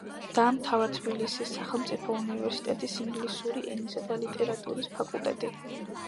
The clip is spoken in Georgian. დაამთავრა თბილისის სახელმწიფო უნივერსიტეტის ინგლისური ენისა და ლიტერატურის ფაკულტეტი.